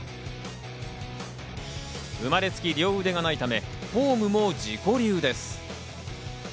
生まれつき両腕がないため、フォームも自己流です。